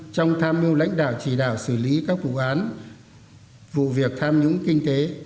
trong tham mưu lãnh đạo chỉ đạo xử lý các vụ án vụ việc tham nhũng kinh tế